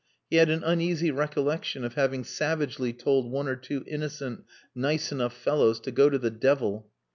He had an uneasy recollection of having savagely told one or two innocent, nice enough fellows to go to the devil.